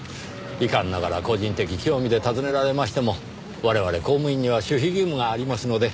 遺憾ながら個人的興味で尋ねられましても我々公務員には守秘義務がありますので。